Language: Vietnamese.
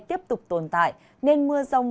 tiếp tục tồn tại nên mưa rông